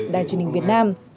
đài truyền hình việt nam